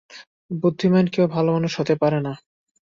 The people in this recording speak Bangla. বুদ্ধিমান কেউ ভালোমানুষ হতে পারে না।